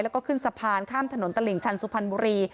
แล้วก็ขึ้นสะพานข้ามถนนตลิ่งชันสุพรรณบุรี